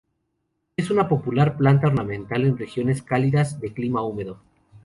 Es una popular planta ornamental en regiones cálidas de clima húmedo.